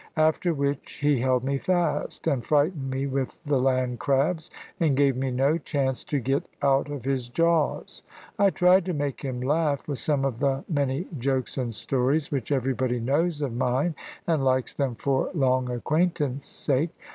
After which he held me fast, and frightened me with the land crabs, and gave me no chance to get out of his jaws. I tried to make him laugh with some of the many jokes and stories, which everybody knows of mine, and likes them for long acquaintance' sake.